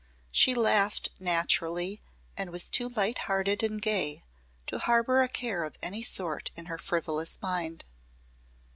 She laughed naturally and was too light hearted and gay to harbor a care of any sort in her frivolous mind.